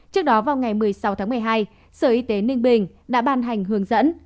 trước đó vào ngày một mươi sáu tháng một mươi hai sở y tế ninh bình đã ban hành hướng dẫn